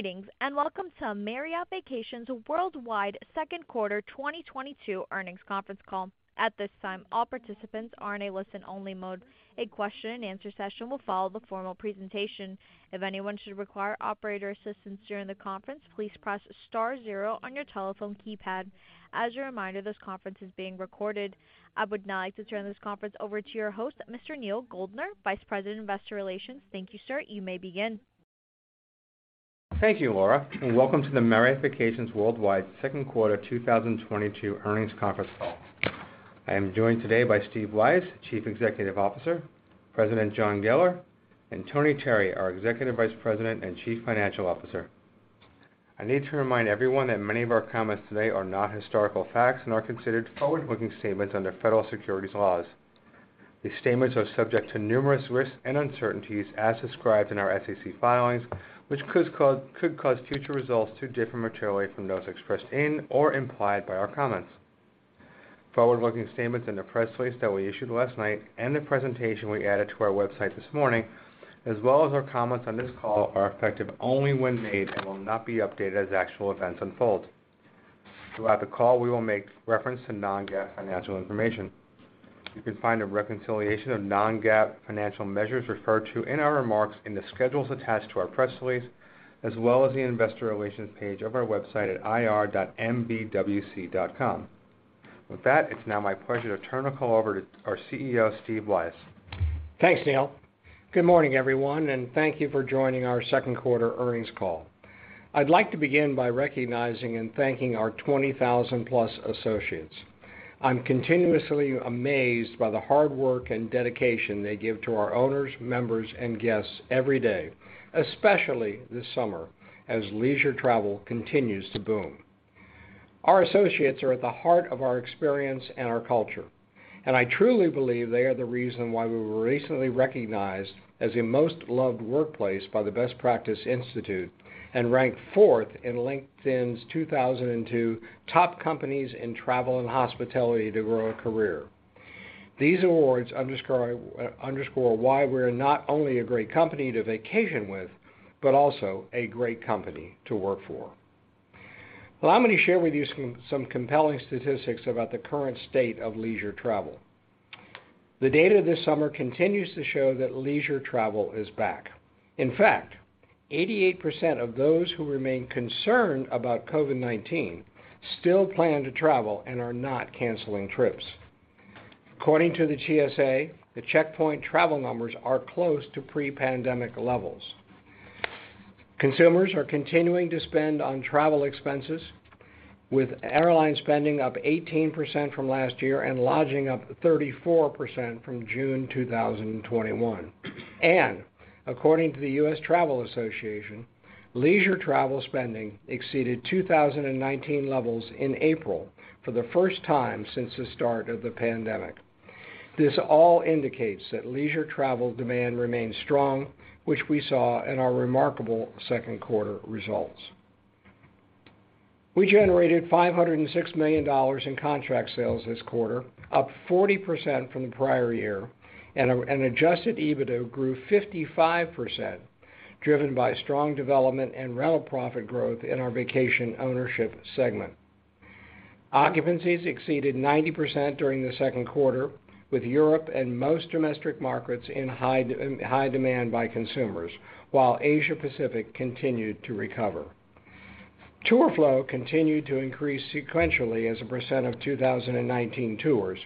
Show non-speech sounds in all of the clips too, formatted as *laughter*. Greetings, and welcome to Marriott Vacations Worldwide second quarter 2022 earnings conference call. At this time, all participants are in a listen-only mode. A question-and-answer session will follow the formal presentation. If anyone should require operator assistance during the conference, please press star zero on your telephone keypad. As a reminder, this conference is being recorded. I would now like to turn this conference over to your host, Mr. Neal Goldner, Vice President, Investor Relations. Thank you, sir. You may begin. Thank you, Laura, and welcome to the Marriott Vacations Worldwide second quarter 2022 earnings conference call. I am joined today by Steve Weisz, Chief Executive Officer, President, John Geller, and Tony Terry, our Executive Vice President and Chief Financial Officer. I need to remind everyone that many of our comments today are not historical facts and are considered forward-looking statements under federal securities laws. These statements are subject to numerous risks and uncertainties as described in our SEC filings, which could cause future results to differ materially from those expressed in or implied by our comments. Forward-looking statements in the press release that we issued last night and the presentation we added to our website this morning, as well as our comments on this call, are effective only when made and will not be updated as actual events unfold. Throughout the call, we will make reference to non-GAAP financial information. You can find a reconciliation of non-GAAP financial measures referred to in our remarks in the schedules attached to our press release, as well as the investor relations page of our website at ir.mvwc.com. With that, it's now my pleasure to turn the call over to our CEO, Steve Weisz. Thanks, Neal. Good morning, everyone, and thank you for joining our second quarter earnings call. I'd like to begin by recognizing and thanking our 20,000+ associates. I'm continuously amazed by the hard work and dedication they give to our owners, members, and guests every day, especially this summer as leisure travel continues to boom. Our associates are at the heart of our experience and our culture, and I truly believe they are the reason why we were recently recognized as a Most Loved Workplace by the Best Practice Institute and ranked fourth in LinkedIn's 2022 Top Companies in Travel and Hospitality to Grow a Career. These awards underscore why we're not only a great company to vacation with, but also a great company to work for. Well, I'm going to share with you some compelling statistics about the current state of leisure travel. The data this summer continues to show that leisure travel is back. In fact, 88% of those who remain concerned about COVID-19 still plan to travel and are not canceling trips. According to the TSA, the checkpoint travel numbers are close to pre-pandemic levels. Consumers are continuing to spend on travel expenses, with airline spending up 18% from last year and lodging up 34% from June 2021. According to the U.S. Travel Association, leisure travel spending exceeded 2019 levels in April for the first time since the start of the pandemic. This all indicates that leisure travel demand remains strong, which we saw in our remarkable second quarter results. We generated $506 million in contract sales this quarter, up 40% from the prior year, and adjusted EBITDA grew 55%, driven by strong development and rental profit growth in our vacation ownership segment. Occupancies exceeded 90% during the second quarter, with Europe and most domestic markets in high demand by consumers, while Asia Pacific continued to recover. Tour flow continued to increase sequentially as a percent of 2019 tours,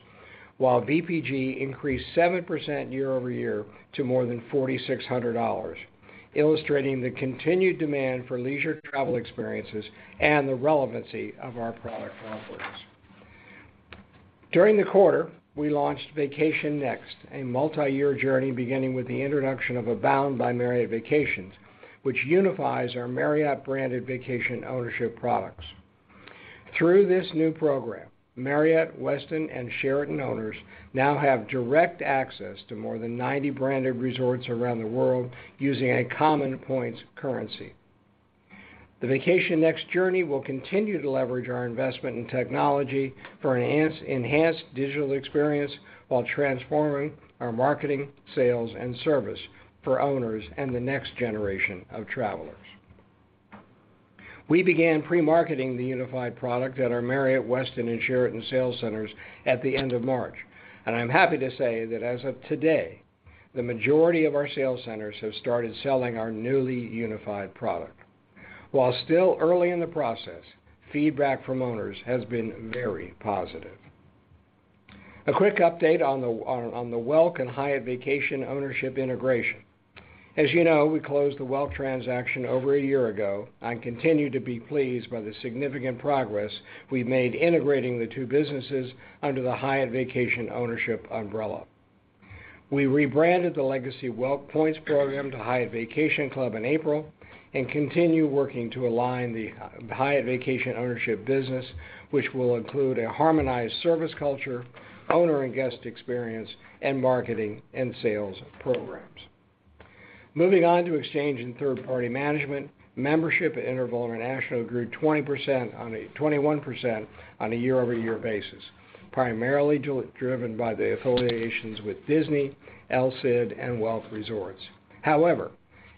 while VPG increased 7% YoY to more than $4,600, illustrating the continued demand for leisure travel experiences and the relevancy of our product offerings. During the quarter, we launched Vacation Next, a multiyear journey beginning with the introduction of Abound by Marriott Vacations, which unifies our Marriott-branded vacation ownership products. Through this new program, Marriott, Westin, and Sheraton owners now have direct access to more than 90 branded resorts around the world using a common points currency. The Vacation Next journey will continue to leverage our investment in technology for enhanced digital experience while transforming our marketing, sales, and service for owners and the next generation of travelers. We began pre-marketing the unified product at our Marriott, Westin, and Sheraton sales centers at the end of March, and I'm happy to say that as of today, the majority of our sales centers have started selling our newly unified product. While still early in the process, feedback from owners has been very positive. A quick update on the Welk and Hyatt Vacation Ownership integration. As you know, we closed the Welk transaction over a year ago and continue to be pleased by the significant progress we've made integrating the two businesses under the Hyatt Vacation Ownership umbrella. We rebranded the legacy Welk points program to Hyatt Vacation Club in April and continue working to align the Hyatt Vacation Ownership business, which will include a harmonized service culture, owner and guest experience, and marketing and sales programs. Moving on to exchange and third-party management. Membership at Interval International grew 21% on a YoY basis, primarily driven by the affiliations with Disney, El Cid, and Welk Resorts. However,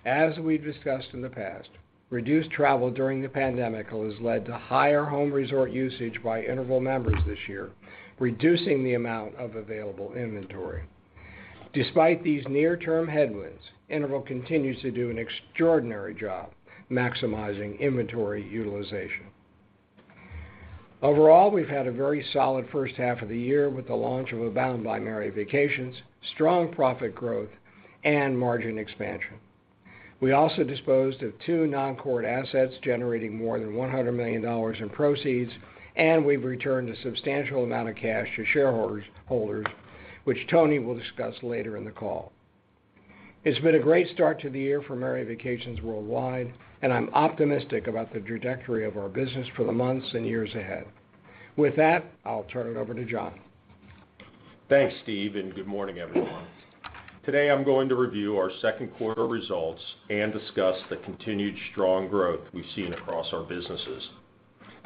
as we've discussed in the past, reduced travel during the pandemic has led to higher home resort usage by Interval members this year, reducing the amount of available inventory. Despite these near-term headwinds, Interval continues to do an extraordinary job maximizing inventory utilization. Overall, we've had a very solid first half of the year with the launch of Abound by Marriott Vacations, strong profit growth, and margin expansion. We also disposed of two non-core assets generating more than $100 million in proceeds, and we've returned a substantial amount of cash to shareholders, which Tony will discuss later in the call. It's been a great start to the year for Marriott Vacations Worldwide, and I'm optimistic about the trajectory of our business for the months and years ahead. With that, I'll turn it over to John. Thanks, Steve, and good morning, everyone. Today, I'm going to review our second quarter results and discuss the continued strong growth we've seen across our businesses.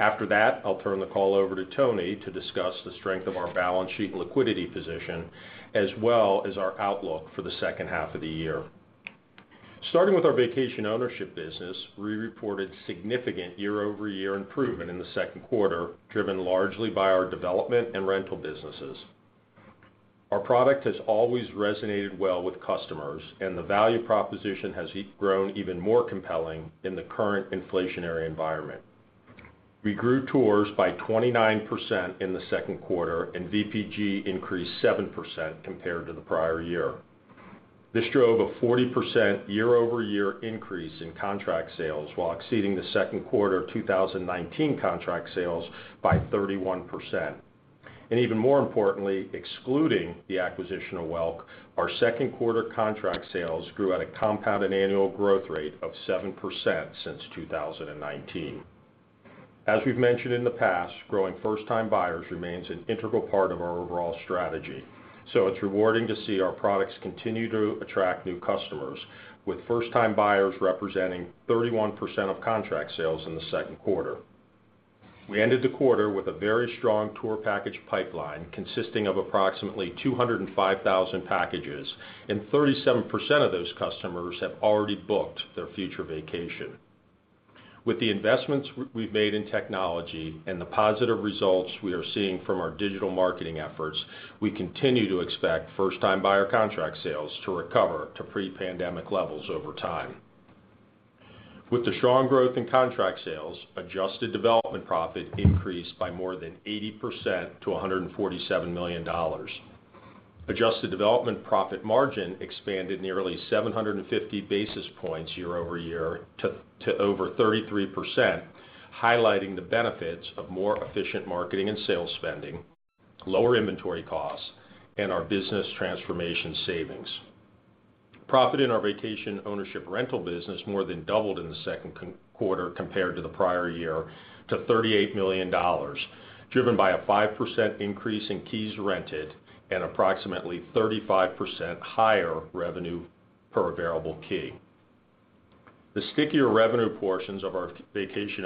After that, I'll turn the call over to Tony to discuss the strength of our balance sheet liquidity position as well as our outlook for the second half of the year. Starting with our vacation ownership business, we reported significant YoY improvement in the second quarter, driven largely by our development and rental businesses. Our product has always resonated well with customers, and the value proposition has grown even more compelling in the current inflationary environment. We grew tours by 29% in the second quarter, and VPG increased 7% compared to the prior year. This drove a 40% YoY increase in contract sales while exceeding the second quarter of 2019 contract sales by 31%. Even more importantly, excluding the acquisition of Welk, our second quarter contract sales grew at a CAGR of 7% since 2019. As we've mentioned in the past, growing first-time buyers remains an integral part of our overall strategy, so it's rewarding to see our products continue to attract new customers with first-time buyers representing 31% of contract sales in the second quarter. We ended the quarter with a very strong tour package pipeline consisting of approximately 205,000 packages, and 37% of those customers have already booked their future vacation. With the investments we've made in technology and the positive results we are seeing from our digital marketing efforts, we continue to expect first-time buyer contract sales to recover to pre-pandemic levels over time. With the strong growth in contract sales, adjusted development profit increased by more than 80% to $147 million. Adjusted development profit margin expanded nearly 750 basis points YoY to over 33%, highlighting the benefits of more efficient marketing and sales spending, lower inventory costs, and our business transformation savings. Profit in our vacation ownership rental business more than doubled in the second quarter compared to the prior year to $38 million, driven by a 5% increase in keys rented and approximately 35% higher revenue per available key. The stickier revenue portions of our vacation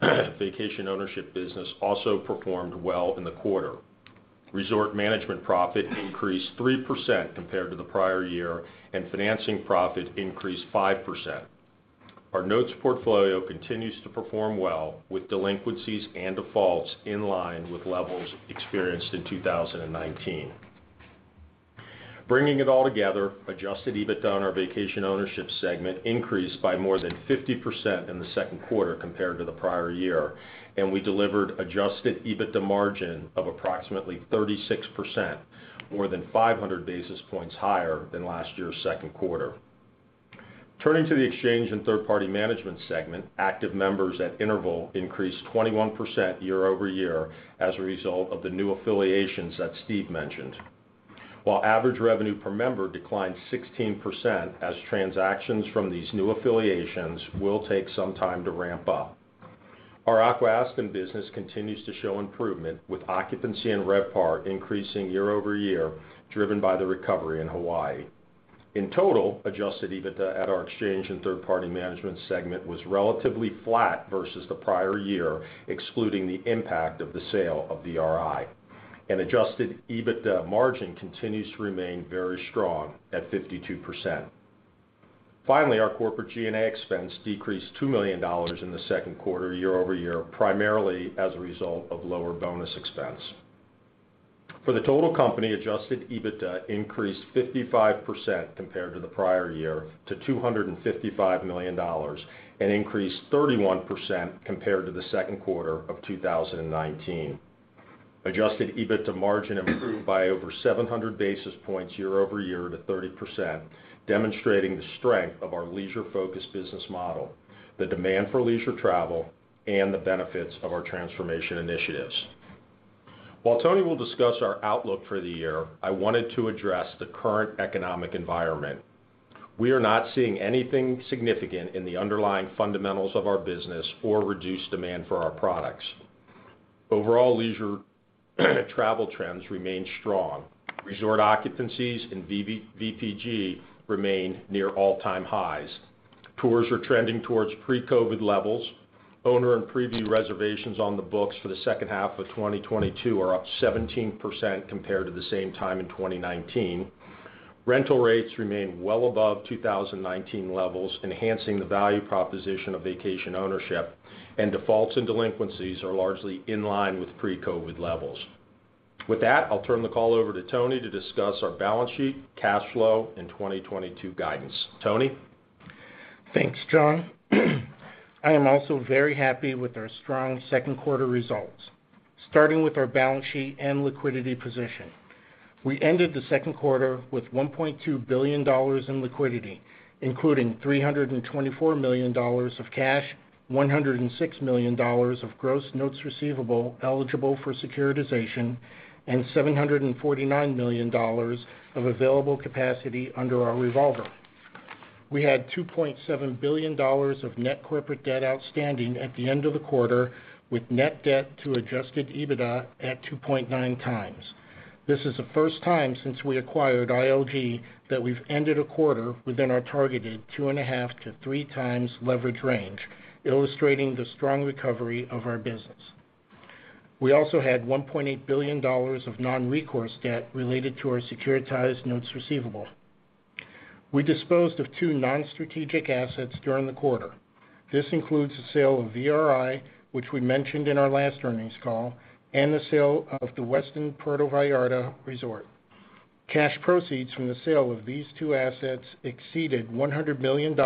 ownership business also performed well in the quarter. Resort management profit increased 3% compared to the prior year, and financing profit increased 5%. Our notes portfolio continues to perform well with delinquencies and defaults in line with levels experienced in 2019. Bringing it all together, adjusted EBITDA in our vacation ownership segment increased by more than 50% in the second quarter compared to the prior year, and we delivered adjusted EBITDA margin of approximately 36%, more than 500 basis points higher than last year's second quarter. Turning to the exchange and third-party management segment, active members at Interval increased 21% YoY as a result of the new affiliations that Steve mentioned. While average revenue per member declined 16% as transactions from these new affiliations will take some time to ramp up. Our Aqua-Aston business continues to show improvement with occupancy and RevPAR increasing YoY, driven by the recovery in Hawaii. In total, adjusted EBITDA at our exchange and third-party management segment was relatively flat versus the prior year, excluding the impact of the sale of DRI. An adjusted EBITDA margin continues to remain very strong at 52%. Finally, our corporate G&A expense decreased $2 million in the second quarter YoY, primarily as a result of lower bonus expense. For the total company, adjusted EBITDA increased 55% compared to the prior year to $255 million and increased 31% compared to the second quarter of 2019. Adjusted EBITDA margin improved by over 700 basis points YoY to 30%, demonstrating the strength of our leisure-focused business model, the demand for leisure travel, and the benefits of our transformation initiatives. While Tony will discuss our outlook for the year, I wanted to address the current economic environment. We are not seeing anything significant in the underlying fundamentals of our business or reduced demand for our products. Overall leisure travel trends remain strong. Resort occupancies in our VPG remain near all-time highs. Tours are trending towards pre-COVID levels. Owner and preview reservations on the books for the second half of 2022 are up 17% compared to the same time in 2019. Rental rates remain well above 2019 levels, enhancing the value proposition of vacation ownership, and defaults and delinquencies are largely in line with pre-COVID levels. With that, I'll turn the call over to Tony to discuss our balance sheet, cash flow, and 2022 guidance. Tony? Thanks, John. I am also very happy with our strong second quarter results. Starting with our balance sheet and liquidity position. We ended the second quarter with $1.2 billion in liquidity, including $324 million of cash, $106 million of gross notes receivable eligible for securitization, and $749 million of available capacity under our revolver. We had $2.7 billion of net corporate debt outstanding at the end of the quarter, with net debt to adjusted EBITDA at 2.9 times. This is the first time since we acquired ILG that we've ended a quarter within our targeted 2.5-3 times leverage range, illustrating the strong recovery of our business. We also had $1.8 billion of non-recourse debt related to our securitized notes receivable. We disposed of two non-strategic assets during the quarter. This includes the sale of VRI, which we mentioned in our last earnings call, and the sale of the Westin Puerto Vallarta resort. Cash proceeds from the sale of these two assets exceeded $100 million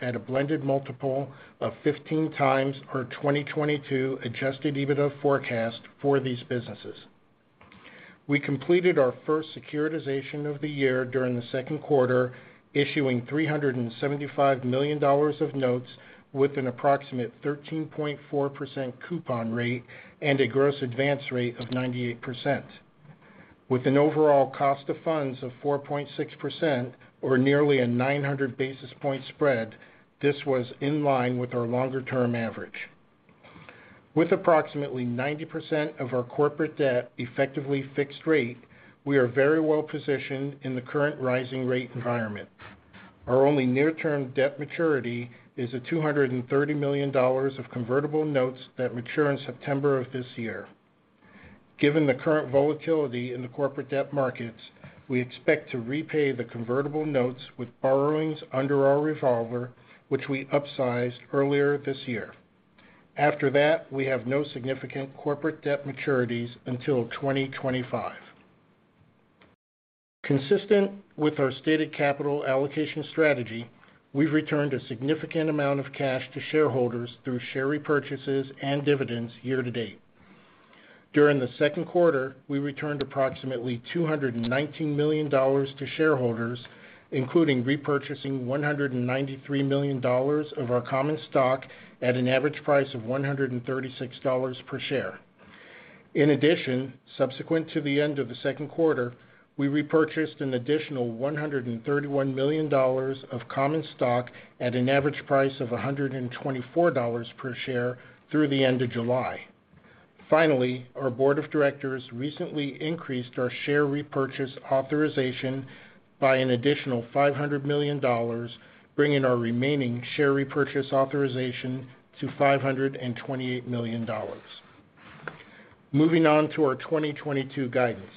at a blended multiple of 15x our 2022 adjusted EBITDA forecast for these businesses. We completed our first securitization of the year during the second quarter, issuing $375 million of notes with an approximate 13.4% coupon rate and a gross advance rate of 98%. With an overall cost of funds of 4.6% over nearly a 900 basis point spread, this was in line with our longer-term average. With approximately 90% of our corporate debt effectively fixed rate, we are very well positioned in the current rising rate environment. Our only near-term debt maturity is $230 million of convertible notes that mature in September of this year. Given the current volatility in the corporate debt markets, we expect to repay the convertible notes with borrowings under our revolver, which we upsized earlier this year. After that, we have no significant corporate debt maturities until 2025. Consistent with our stated capital allocation strategy, we've returned a significant amount of cash to shareholders through share repurchases and dividends year-to-date. During the second quarter, we returned approximately $219 million to shareholders, including repurchasing $193 million of our common stock at an average price of $136 per share. In addition, subsequent to the end of the second quarter, we repurchased an additional $131 million of common stock at an average price of $124 per share through the end of July. Finally, our board of directors recently increased our share repurchase authorization by an additional $500 million, bringing our remaining share repurchase authorization to $528 million. Moving on to our 2022 guidance.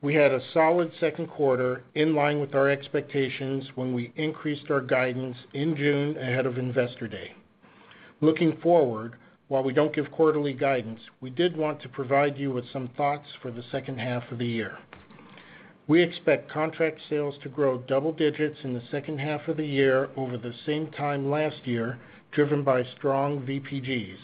We had a solid second quarter in line with our expectations when we increased our guidance in June ahead of Investor Day. Looking forward, while we don't give quarterly guidance, we did want to provide you with some thoughts for the second half of the year. We expect contract sales to grow double digits in the second half of the year over the same time last year, driven by strong VPGs.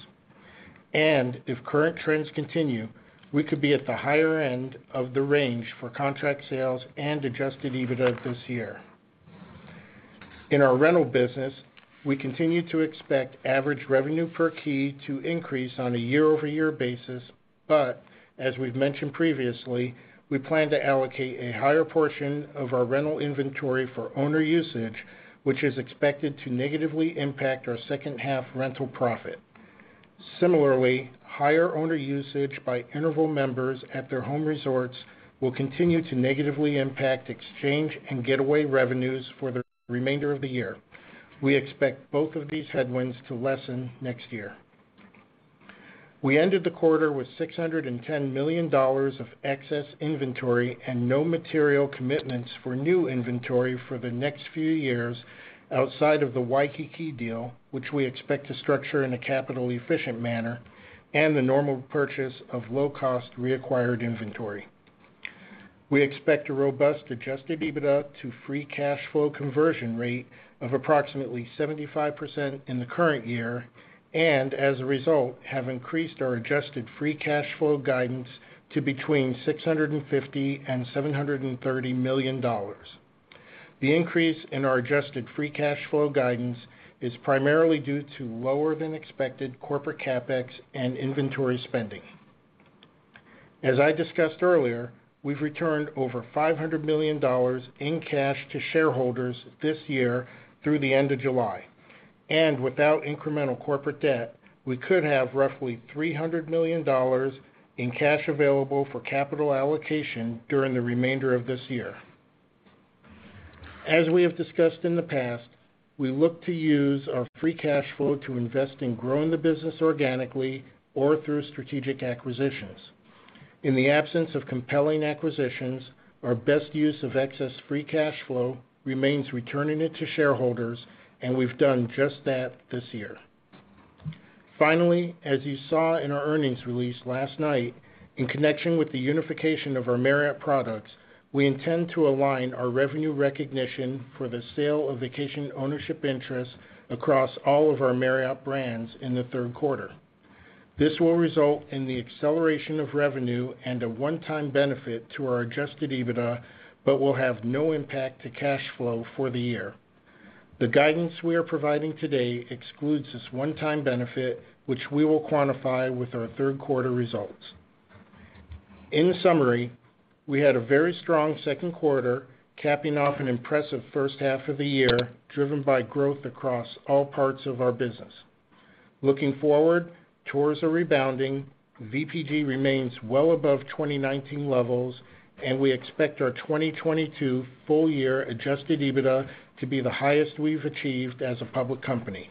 If current trends continue, we could be at the higher end of the range for contract sales and adjusted EBITDA this year. In our rental business, we continue to expect average revenue per key to increase on a YoY basis, but as we've mentioned previously, we plan to allocate a higher portion of our rental inventory for owner usage, which is expected to negatively impact our second half rental profit. Similarly, higher owner usage by Interval members at their home resorts will continue to negatively impact exchange and getaway revenues for the remainder of the year. We expect both of these headwinds to lessen next year. We ended the quarter with $610 million of excess inventory and no material commitments for new inventory for the next few years outside of the Waikiki deal, which we expect to structure in a capital-efficient manner, and the normal purchase of low-cost reacquired inventory. We expect a robust adjusted EBITDA to free cash flow conversion rate of approximately 75% in the current year, and as a result, have increased our adjusted free cash flow guidance to between $650 million and $730 million. The increase in our adjusted free cash flow guidance is primarily due to lower than expected corporate CapEx and inventory spending. As I discussed earlier, we've returned over $500 million in cash to shareholders this year through the end of July. Without incremental corporate debt, we could have roughly $300 million in cash available for capital allocation during the remainder of this year. As we have discussed in the past, we look to use our free cash flow to invest in growing the business organically or through strategic acquisitions. In the absence of compelling acquisitions, our best use of excess free cash flow remains returning it to shareholders, and we've done just that this year. Finally, as you saw in our earnings release last night, in connection with the unification of our Marriott products, we intend to align our revenue recognition for the sale of vacation ownership interests across all of our Marriott brands in the third quarter. This will result in the acceleration of revenue and a one-time benefit to our adjusted EBITDA but will have no impact to cash flow for the year. The guidance we are providing today excludes this one-time benefit, which we will quantify with our third quarter results. In summary, we had a very strong second quarter, capping off an impressive first half of the year, driven by growth across all parts of our business. Looking forward, tours are rebounding, VPG remains well above 2019 levels, and we expect our 2022 full year adjusted EBITDA to be the highest we've achieved as a public company.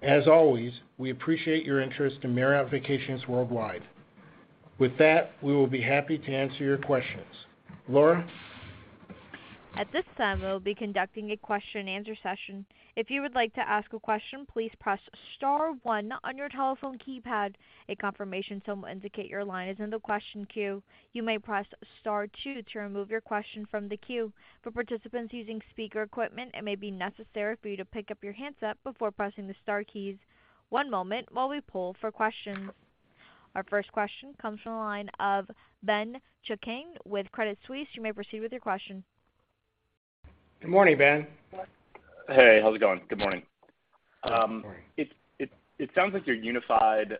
As always, we appreciate your interest in Marriott Vacations Worldwide. With that, we will be happy to answer your questions. Laura? At this time, we will be conducting a question-and-answer session. If you would like to ask a question, please press star one on your telephone keypad. A confirmation tone will indicate your line is in the question queue. You may press star two to remove your question from the queue. For participants using speaker equipment, it may be necessary for you to pick up your handset before pressing the star keys. One moment while we pull for questions. Our first question comes from the line of Ben Chaiken with Credit Suisse. You may proceed with your question. Good morning, Ben. Hey, how's it going? Good morning. Good morning. It sounds like your unified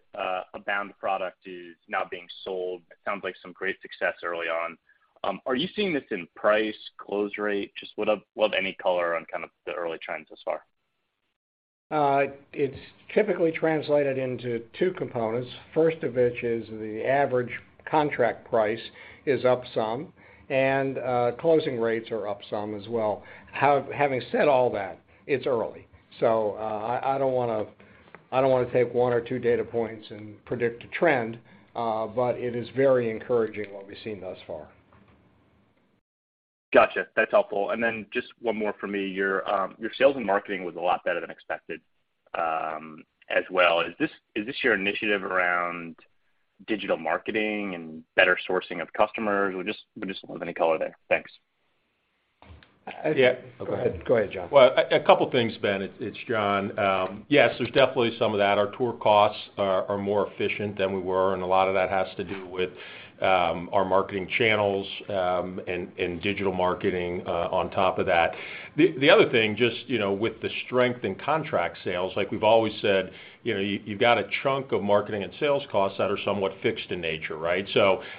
Abound product is now being sold. It sounds like some great success early on. Are you seeing this in price, close rate, just would love any color on kind of the early trends thus far? It's typically translated into two components. First of which is the average contract price is up some, and closing rates are up some as well. Having said all that, it's early. I don't wanna take one or two data points and predict a trend, but it is very encouraging what we've seen thus far. Gotcha. That's helpful. Just one more for me. Your sales and marketing was a lot better than expected, as well. Is this your initiative around digital marketing and better sourcing of customers? We just love any color there. Thanks. Yeah. Go ahead. Go ahead, John. *crosstalk* Well, a couple things, Ben. It's John. Yes, there's definitely some of that. Our tour costs are more efficient than we were, and a lot of that has to do with our marketing channels and digital marketing on top of that. The other thing, just you know, with the strength in contract sales, like we've always said, you know, you've got a chunk of marketing and sales costs that are somewhat fixed in nature, right?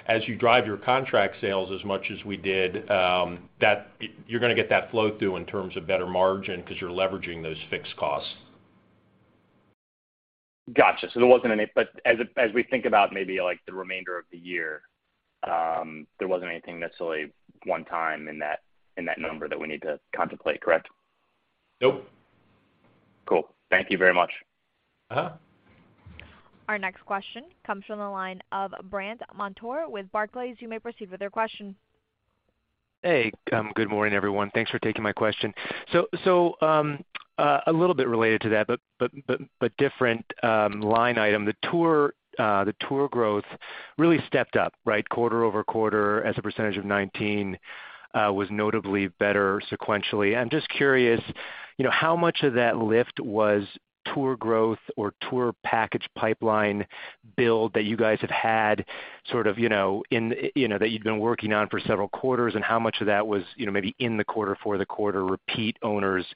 As you drive your contract sales as much as we did, that you're gonna get that flow-through in terms of better margin 'cause you're leveraging those fixed costs. Gotcha. There wasn't any. As we think about maybe like the remainder of the year, there wasn't anything necessarily one time in that number that we need to contemplate, correct? Nope. Cool. Thank you very much. Uh-huh. Our next question comes from the line of Brandt Montour with Barclays. You may proceed with your question. Hey, good morning, everyone. Thanks for taking my question. A little bit related to that, but different line item. The tour growth really stepped up, right? QoQ as a percentage of 19% was notably better sequentially. I'm just curious, you know, how much of that lift was tour growth or tour package pipeline build that you guys have had sort of, you know, in that you'd been working on for several quarters, and how much of that was, you know, maybe in the quarter for the quarter repeat owners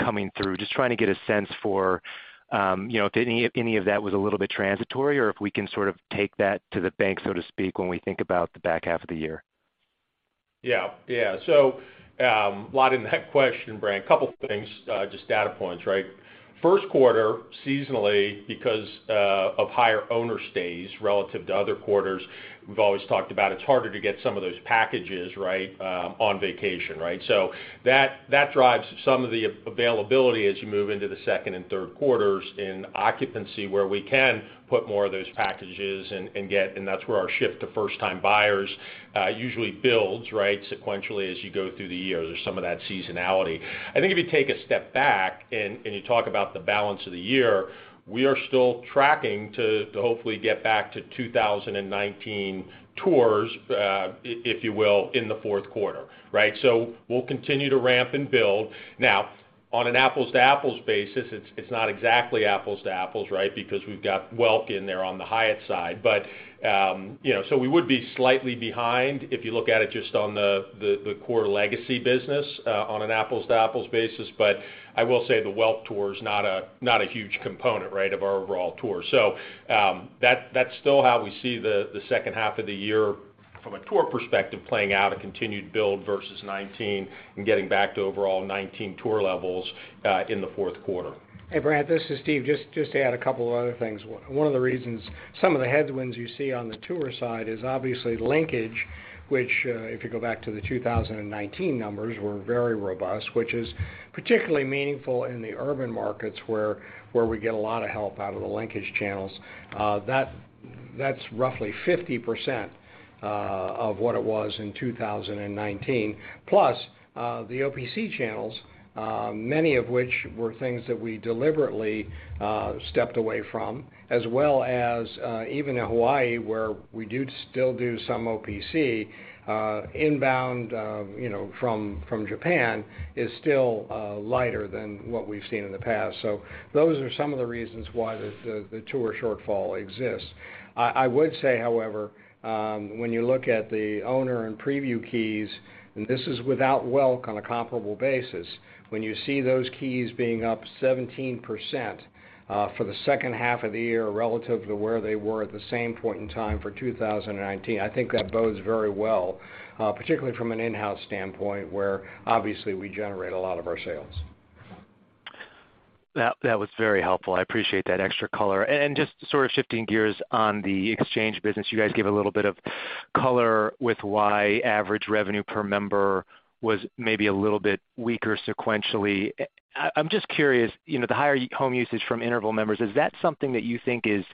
coming through? Just trying to get a sense for, you know, if any of that was a little bit transitory or if we can sort of take that to the bank, so to speak, when we think about the back half of the year. A lot in that question, Brandt. Couple things, just data points, right? First quarter, seasonally, because of higher owner stays relative to other quarters, we've always talked about it's harder to get some of those packages, right, on vacation, right? That drives some of the availability as you move into the second and third quarters in occupancy, where we can put more of those packages and get. That's where our shift to first time buyers usually builds, right, sequentially as you go through the year. There's some of that seasonality. I think if you take a step back and you talk about the balance of the year, we are still tracking to hopefully get back to 2019 tours, if you will, in the fourth quarter, right? We'll continue to ramp and build. Now on an apples to apples basis, it's not exactly apples to apples, right, because we've got Welk in there on the highest side. You know, we would be slightly behind if you look at it just on the core legacy business, on an apples to apples basis. I will say the Welk tour is not a huge component, right, of our overall tour. That's still how we see the second half of the year. From a tour perspective, playing out a continued build versus 2019 and getting back to overall 2019 tour levels, in the fourth quarter. Hey, Brandt, this is Steve. Just to add a couple of other things. One of the reasons some of the headwinds you see on the tour side is obviously linkage, which, if you go back to the 2019 numbers were very robust, which is particularly meaningful in the urban markets where we get a lot of help out of the linkage channels. That's roughly 50% of what it was in 2019. Plus, the OPC channels, many of which were things that we deliberately stepped away from, as well as even in Hawaii, where we do still do some OPC, inbound, you know, from Japan is still lighter than what we've seen in the past. Those are some of the reasons why the tour shortfall exists. I would say, however, when you look at the owner and preview keys, and this is without Welk on a comparable basis, when you see those keys being up 17%, for the second half of the year relative to where they were at the same point in time for 2019, I think that bodes very well, particularly from an in-house standpoint, where obviously we generate a lot of our sales. That was very helpful. I appreciate that extra color. Just sort of shifting gears on the exchange business, you guys gave a little bit of color with why average revenue per member was maybe a little bit weaker sequentially. I'm just curious, you know, the higher home usage from Interval members, is that something that you think is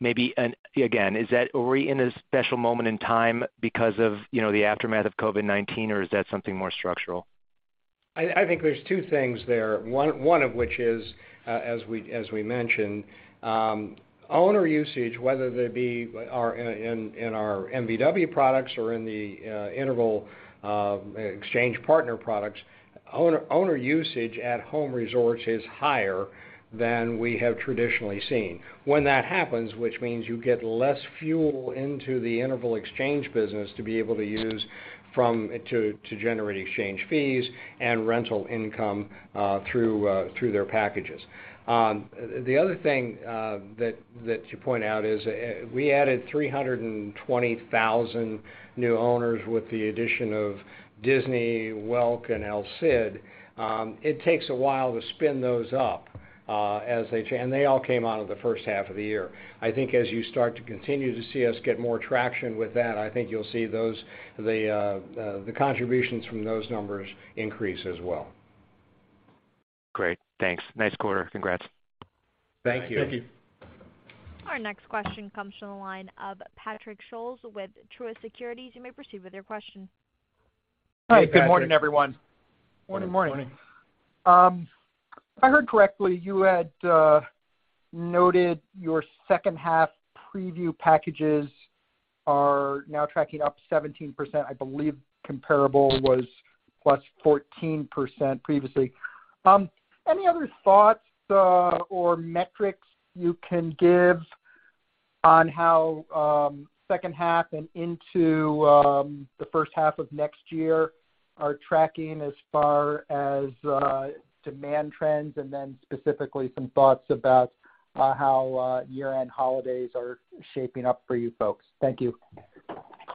maybe again, are we in a special moment in time because of, you know, the aftermath of COVID-19, or is that something more structural? I think there's two things there. One of which is, as we mentioned, owner usage, whether they be our MVW products or in the Interval exchange partner products, owner usage at home resorts is higher than we have traditionally seen. When that happens, which means you get less fuel into the Interval exchange business to be able to use to generate exchange fees and rental income through their packages. The other thing that you point out is we added 320,000 new owners with the addition of Disney, Welk and El Cid. It takes a while to spin those up, and they all came out of the first half of the year. I think as you start to continue to see us get more traction with that, I think you'll see the contributions from those numbers increase as well. Great. Thanks. Nice quarter. Congrats. Thank you. Thank you. Our next question comes from the line of Patrick Scholes with Truist Securities. You may proceed with your question. Hey, Patrick. Hi, good morning, everyone. Good morning. Morning. If I heard correctly, you had noted your second half preview packages are now tracking up 17%. I believe comparable was plus 14% previously. Any other thoughts or metrics you can give on how second half and into the first half of next year are tracking as far as demand trends? Specifically some thoughts about how year-end holidays are shaping up for you folks. Thank you.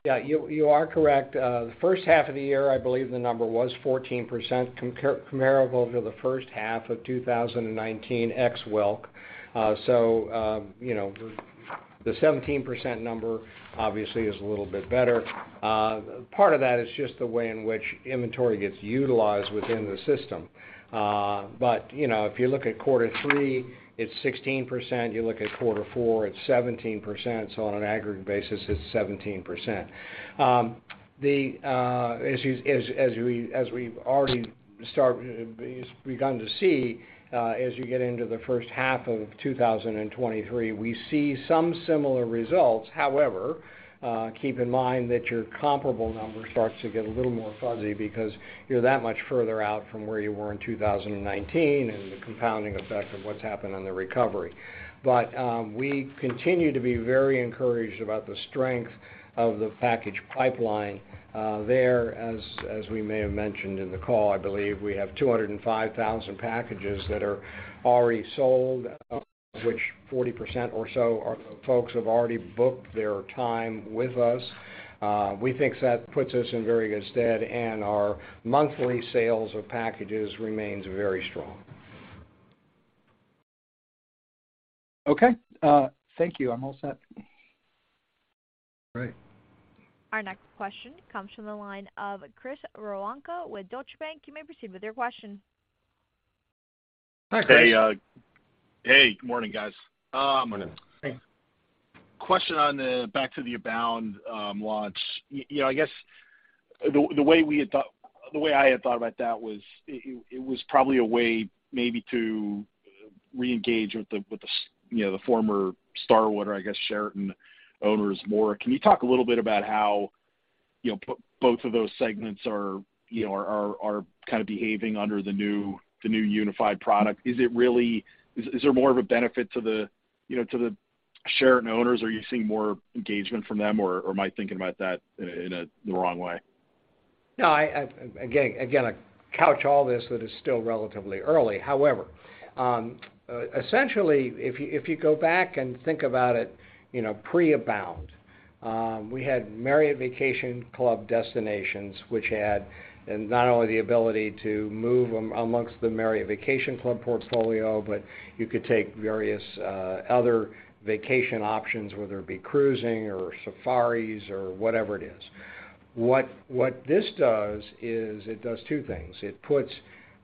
Yeah, you are correct. The first half of the year, I believe the number was 14% comparable to the first half of 2019 ex-Welk. You know, the 17% number obviously is a little bit better. Part of that is just the way in which inventory gets utilized within the system. You know, if you look at quarter three, it's 16%, you look at quarter four, it's 17%. On an aggregate basis, it's 17%. As we've already begun to see, as you get into the first half of 2023, we see some similar results. However, keep in mind that your comparable number starts to get a little more fuzzy because you're that much further out from where you were in 2019 and the compounding effect of what's happened in the recovery. We continue to be very encouraged about the strength of the package pipeline there. As we may have mentioned in the call, I believe we have 205,000 packages that are already sold, of which 40% or so are folks who have already booked their time with us. We think that puts us in very good stead, and our monthly sales of packages remains very strong. Okay, thank you. I'm all set. Great. Our next question comes from the line of Chris Woronka with Deutsche Bank. You may proceed with your question. Hi, Chris. Hey. Hey, good morning, guys. Good morning. Hey. Question on back to the Abound launch. You know, I guess the way I had thought about that was it was probably a way maybe to reengage with the you know the former Starwood, or I guess Sheraton owners more. Can you talk a little bit about how you know both of those segments are you know are kind of behaving under the new unified product? Is there more of a benefit to the you know to the Sheraton owners? Are you seeing more engagement from them, or am I thinking about that in the wrong way? No, I again couch all this that is still relatively early. However, essentially, if you go back and think about it, you know, pre-Abound, we had Marriott Vacation Club Destinations which had not only the ability to move amongst the Marriott Vacation Club portfolio, but you could take various other vacation options, whether it be cruising or safaris or whatever it is. What this does is it does two things. It puts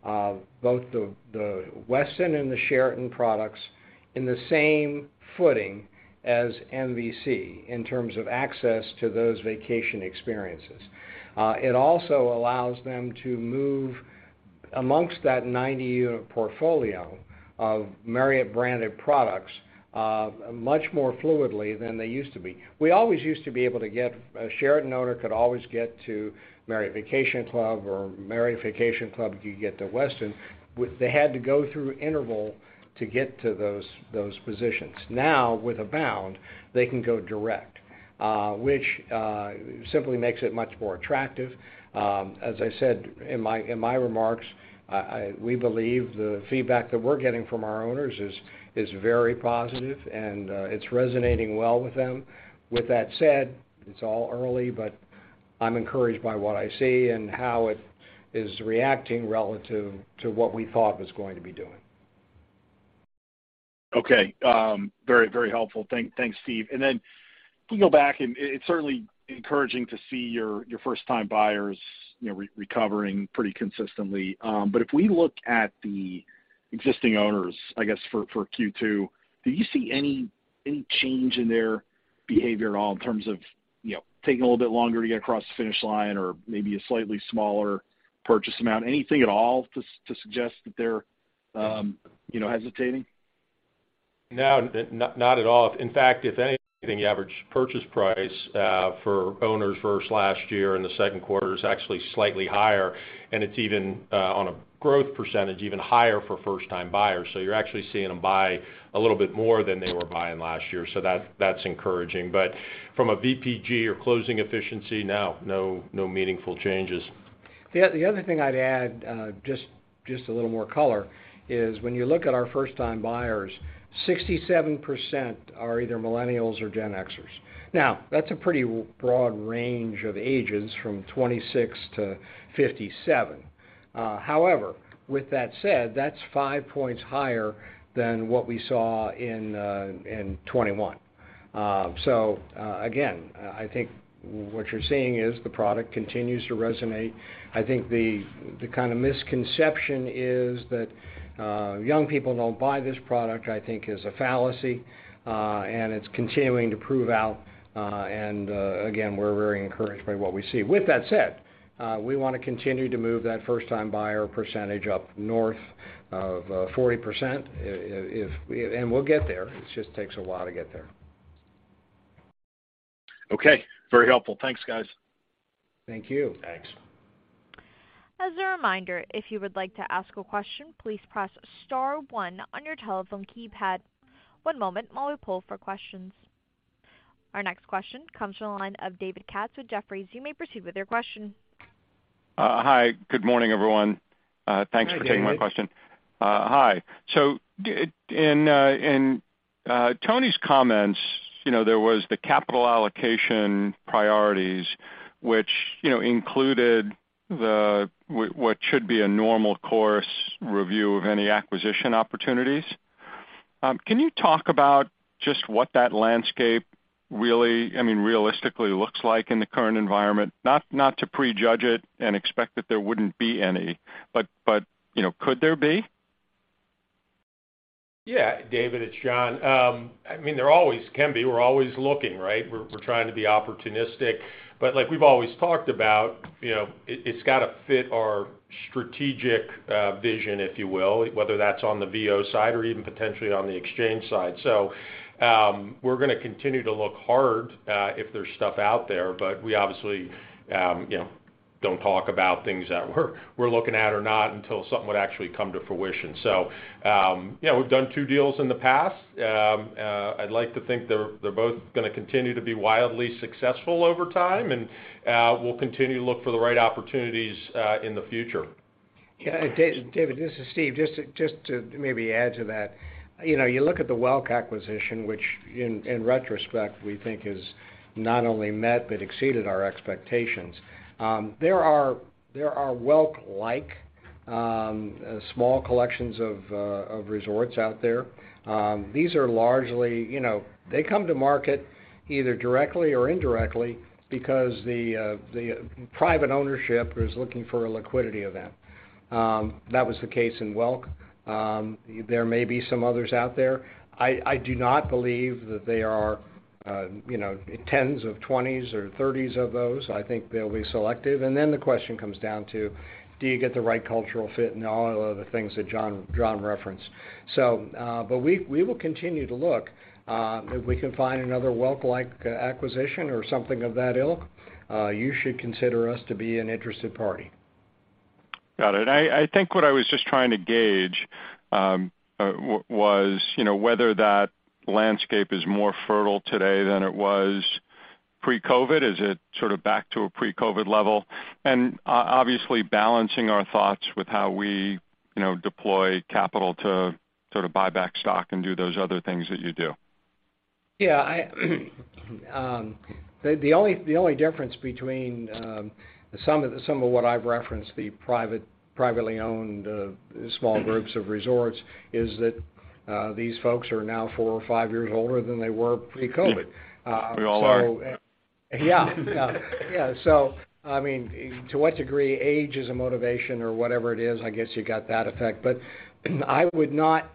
both the Westin and the Sheraton products in the same footing as MVC in terms of access to those vacation experiences. It also allows them to move amongst that 90-unit portfolio of Marriott-branded products much more fluidly than they used to be. A Sheraton owner could always get to Marriott Vacation Club, or Marriott Vacation Club could get to Westin. They had to go through Interval to get to those positions. Now, with Abound, they can go direct, which simply makes it much more attractive. As I said in my remarks, we believe the feedback that we're getting from our owners is very positive and it's resonating well with them. With that said, it's all early, but I'm encouraged by what I see and how it is reacting relative to what we thought was going to be doing. Okay. Very helpful. Thanks, Steve. Then can you go back? It's certainly encouraging to see your first-time buyers, you know, recovering pretty consistently. But if we look at the existing owners, I guess for Q2, do you see any change in their behavior at all in terms of, you know, taking a little bit longer to get across the finish line or maybe a slightly smaller purchase amount? Anything at all to suggest that they're, you know, hesitating? No, not at all. In fact, if anything, the average purchase price for owners versus last year in the second quarter is actually slightly higher, and it's even on a growth percentage, even higher for first-time buyers. You're actually seeing them buy a little bit more than they were buying last year. That's encouraging. But from a VPG or closing efficiency, no. No, no meaningful changes. The other thing I'd add, just a little more color, is when you look at our first-time buyers, 67% are either Millennials or Gen Xers. Now, that's a pretty broad range of ages from 26-57. However, with that said, that's 5 points higher than what we saw in 2021. Again, I think what you're seeing is the product continues to resonate. I think the kind of misconception is that young people don't buy this product, I think is a fallacy, and it's continuing to prove out. Again, we're very encouraged by what we see. With that said, we wanna continue to move that first-time buyer percentage up north of 40% and we'll get there. It just takes a while to get there. Okay. Very helpful. Thanks, guys. Thank you. Thanks. As a reminder, if you would like to ask a question, please press star one on your telephone keypad. One moment while we poll for questions. Our next question comes from the line of David Katz with Jefferies. You may proceed with your question. Hi. Good morning, everyone. Thanks for taking my question. Good morning, David. Hi. In Tony's comments, you know, there was the capital allocation priorities, which, you know, included the what should be a normal course review of any acquisition opportunities. Can you talk about just what that landscape really, I mean, realistically looks like in the current environment? Not to prejudge it and expect that there wouldn't be any, but you know, could there be? Yeah. David, it's John. I mean, there always can be. We're always looking, right? We're trying to be opportunistic. Like we've always talked about, you know, it's gotta fit our strategic vision, if you will, whether that's on the VO side or even potentially on the exchange side. We're gonna continue to look hard if there's stuff out there, but we obviously, you know, don't talk about things that we're looking at or not until something would actually come to fruition. You know, we've done two deals in the past. I'd like to think they're both gonna continue to be wildly successful over time, and we'll continue to look for the right opportunities in the future. Yeah, David, this is Steve. Just to maybe add to that. You know, you look at the Welk acquisition, which in retrospect, we think has not only met but exceeded our expectations. There are Welk-like small collections of resorts out there. These are largely, you know, they come to market either directly or indirectly because the private ownership is looking for a liquidity event. That was the case in Welk. There may be some others out there. I do not believe that there are, you know, 10s, 20s or 30s of those. I think they'll be selective. The question comes down to, do you get the right cultural fit and all of the things that John referenced. We will continue to look. If we can find another Welk-like acquisition or something of that ilk, you should consider us to be an interested party. Got it. I think what I was just trying to gauge, you know, whether that landscape is more fertile today than it was pre-COVID? Is it sort of back to a pre-COVID level? Obviously balancing our thoughts with how we, you know, deploy capital to sort of buy back stock and do those other things that you do. Yeah, the only difference between some of what I've referenced, the privately owned small groups of resorts, is that these folks are now four or five years older than they were pre-COVID. We all are. I mean, to what degree age is a motivation or whatever it is, I guess you got that effect. I would not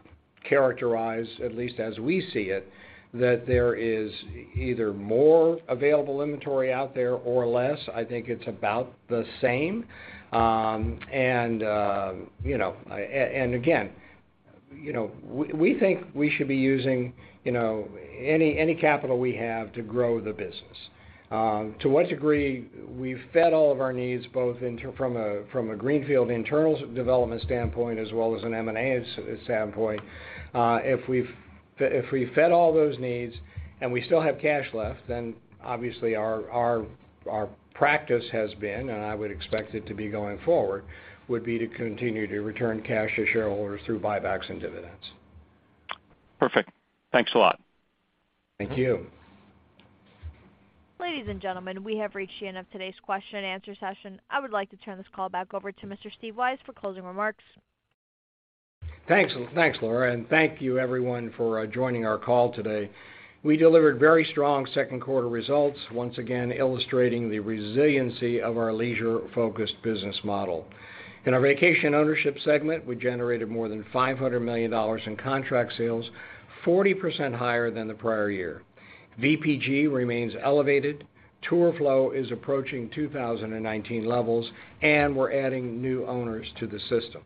characterize, at least as we see it, that there is either more available inventory out there or less. I think it's about the same. Again, you know, we think we should be using any capital we have to grow the business. To what degree we've fed all of our needs both from a greenfield internal development standpoint as well as an M&A standpoint. If we've fed all those needs and we still have cash left, then obviously our practice has been, and I would expect it to be going forward, would be to continue to return cash to shareholders through buybacks and dividends. Perfect. Thanks a lot. Thank you. Ladies and gentlemen, we have reached the end of today's question and answer session. I would like to turn this call back over to Mr. Steve Weisz for closing remarks. Thanks. Thanks, Laura, and thank you everyone for joining our call today. We delivered very strong second quarter results, once again illustrating the resiliency of our leisure-focused business model. In our vacation ownership segment, we generated more than $500 million in contract sales, 40% higher than the prior year. VPG remains elevated, tour flow is approaching 2019 levels, and we're adding new owners to the system.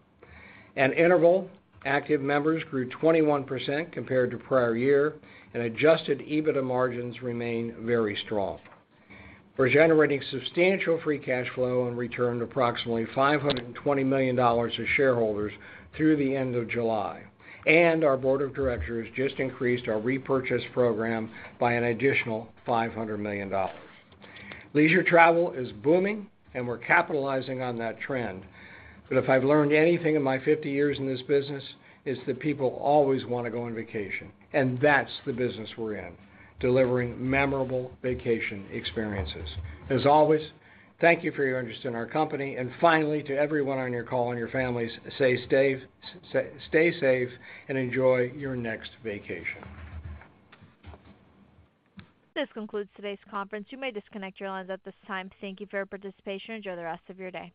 At Interval, active members grew 21% compared to prior year, and adjusted EBITDA margins remain very strong. We're generating substantial free cash flow and returned approximately $520 million to shareholders through the end of July, and our board of directors just increased our repurchase program by an additional $500 million. Leisure travel is booming, and we're capitalizing on that trend. If I've learned anything in my 50 years in this business, it's that people always wanna go on vacation, and that's the business we're in, delivering memorable vacation experiences. As always, thank you for your interest in our company. Finally, to everyone on your call and your families, stay safe and enjoy your next vacation. This concludes today's conference. You may disconnect your lines at this time. Thank you for your participation. Enjoy the rest of your day.